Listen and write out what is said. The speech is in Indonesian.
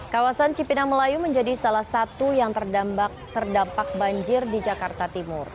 kawasan cipinang melayu menjadi salah satu yang terdampak banjir di jakarta timur